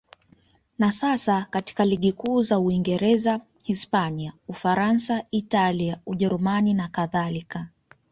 Na sasa hata katika ligi kuu za Uingereza, Hispania, Ufaransa, Italia, Ujerumani nakadhalika.